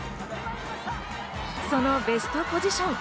そのベストポジション。